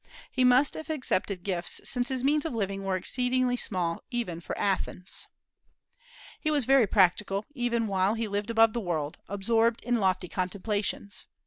He must have accepted gifts, since his means of living were exceedingly small, even for Athens. He was very practical, even while he lived above the world, absorbed in lofty contemplations.